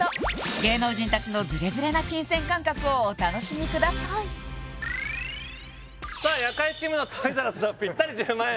芸能人達のズレズレな金銭感覚をお楽しみくださいさあ夜会チームのトイザらスのぴったり１０万円